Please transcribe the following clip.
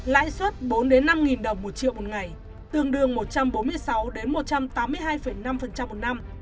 lãi suất bốn năm đồng một triệu một ngày tương đương một trăm bốn mươi sáu một trăm tám mươi hai năm một năm